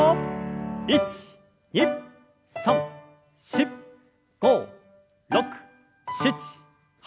１２３４５６７８。